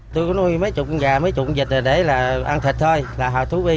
tôi có nuôi mấy chục con gà mấy chục con dịch để ăn thịt thôi là hào thuốc y